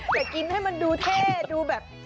จะกินให้มันดูเท่ดูแบบ